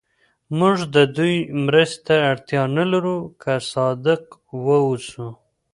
موږ د دوی مرستې ته اړتیا نه لرو که صادق واوسو.